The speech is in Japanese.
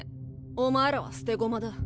お前らは捨て駒だ。